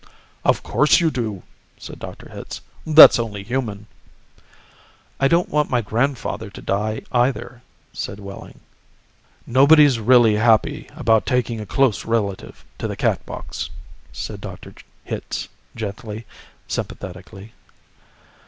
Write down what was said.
"Of course you do," said Dr. Hitz. "That's only human." "I don't want my grandfather to die, either," said Wehling. "Nobody's really happy about taking a close relative to the Catbox," said Dr. Hitz gently, sympathetically.